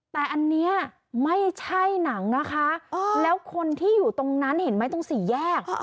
แต่อันนี้ไม่ใช่หนังนะคะแล้วคนที่อยู่ตรงนั้นเห็นไหมตรงสี่แยก